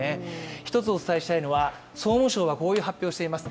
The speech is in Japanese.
１つお伝えしたいのは、総務省はこういう発表をしています。